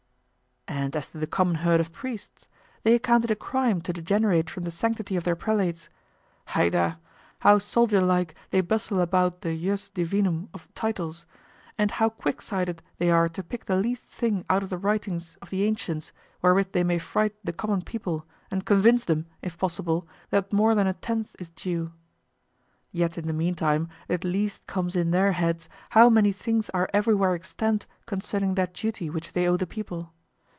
And as to the common herd of priests, they account it a crime to degenerate from the sanctity of their prelates. Heidah! How soldier like they bustle about the jus divinum of titles, and how quick sighted they are to pick the least thing out of the writings of the ancients wherewith they may fright the common people and convince them, if possible, that more than a tenth is due! Yet in the meantime it least comes in their heads how many things are everywhere extant concerning that duty which they owe the people.